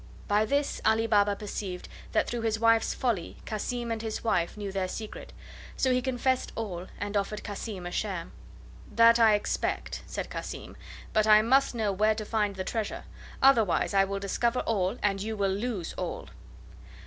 By this Ali Baba perceived that through his wife's folly Cassim and his wife knew their secret, so he confessed all and offered Cassim a share. "That I expect," said Cassim; "but I must know where to find the treasure, otherwise I will discover all, and you will lose all."